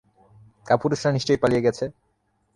কাপুরুষরা নিশ্চয়ই পালিয়ে গেছে।